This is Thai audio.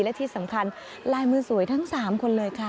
และที่สำคัญลายมือสวยทั้ง๓คนเลยค่ะ